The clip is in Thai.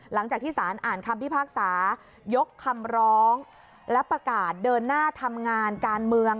หลังจากที่สารอ่านคำพิพากษายกคำร้องและประกาศเดินหน้าทำงานการเมือง